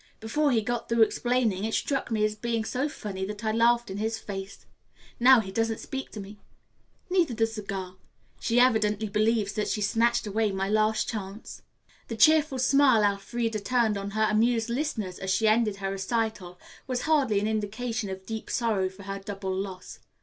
Before he got through explaining, it struck me as being so funny that I laughed in his face. Now he doesn't speak to me. Neither does the girl. She evidently believes that she snatched away my last chance." The cheerful smile Elfreda turned on her amused listeners as she ended her recital was hardly an indication of deep sorrow for her double loss.